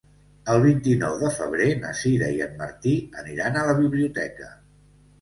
El vint-i-nou de febrer na Sira i en Martí aniran a la biblioteca.